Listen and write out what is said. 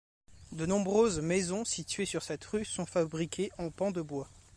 De nombreuses maisons situées sur cette rue sont fabriquées en pan de bois.